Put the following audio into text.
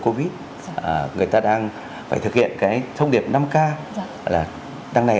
covid người ta đang phải thực hiện cái thông điệp năm k là đang này